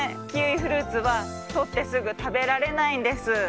キウイフルーツはとってすぐたべられないんです。